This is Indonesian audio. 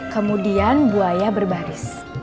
kemudian buaya berbaris